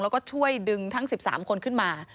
แล้วก็ช่วยดึงทั้ง๑๓คนขึ้นมา